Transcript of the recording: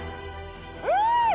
うん！